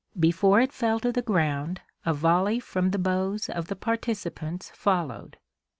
Before it fell to the ground a volley from the bows of the participants followed.